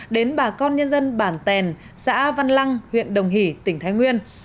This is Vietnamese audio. đến bà con nhân dân bản tèn xã văn lăng huyện đồng hỷ tỉnh thái nguyên